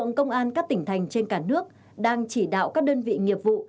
công an các tỉnh thành trên cả nước đang chỉ đạo các đơn vị nghiệp vụ